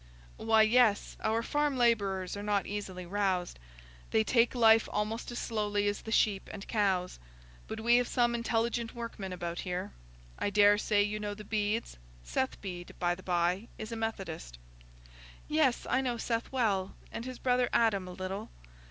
"Why, yes, our farm labourers are not easily roused. They take life almost as slowly as the sheep and cows. But we have some intelligent workmen about here. I daresay you know the Bedes; Seth Bede, by the by, is a Methodist." "Yes, I know Seth well, and his brother Adam a little.